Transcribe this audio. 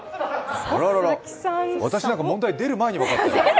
あらら、私なんか問題出る前に分かったよ。